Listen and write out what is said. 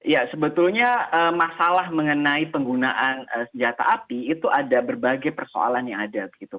ya sebetulnya masalah mengenai penggunaan senjata api itu ada berbagai persoalan yang ada